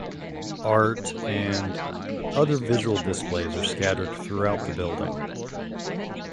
Art and other visual displays are scattered throughout the building.